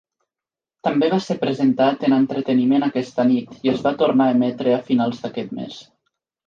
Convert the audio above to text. També va ser presentat en "entreteniment aquesta nit" i es va tornar a emetre a finals d'aquest mes.